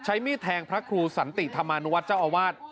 มีดแทงพระครูสันติธรรมานุวัฒน์เจ้าอาวาส